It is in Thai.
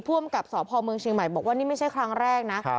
อำกับสพเมืองเชียงใหม่บอกว่านี่ไม่ใช่ครั้งแรกนะ